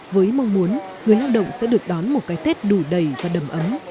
với mong muốn người lao động sẽ được đón một cái tết đủ đầy và đầm ấm